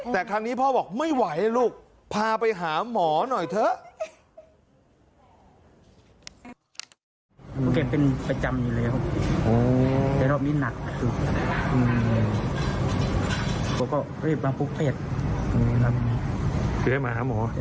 แต่ครั้งนี้พ่อบอกไม่ไหวลูกพาไปหาหมอหน่อยเถอะ